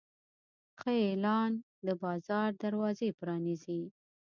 ښه اعلان د بازار دروازې پرانیزي.